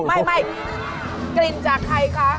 ไม่กลิ่นจากใครคะ